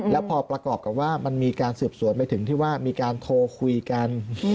แล้วพอประกอบกับว่ามันมีการสืบสวนไปถึงที่ว่ามีการโทรคุยกัน